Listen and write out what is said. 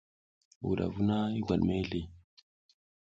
Wudavu na i gwat mezle.